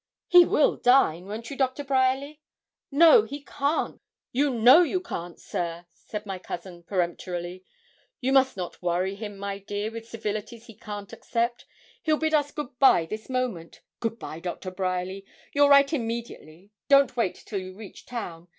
'He will dine. Won't you, Doctor Bryerly?' 'No; he can't. You know you can't, sir,' said my cousin, peremptorily. 'You must not worry him, my dear, with civilities he can't accept. He'll bid us good bye this moment. Good bye, Doctor Bryerly. You'll write immediately; don't wait till you reach town.